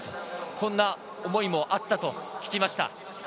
そんな思いもあったと聞きました。